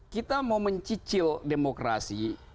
kita mau mencicil demokrasi